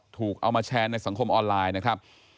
ถูกเอามาแชร์ในสังคมออนไลน์นะครับ